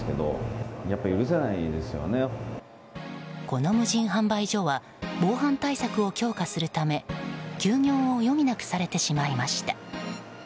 この無人販売所は防犯対策を強化するため休業を余儀なくされてしまいました。